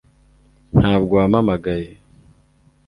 ntabwo wampamagaye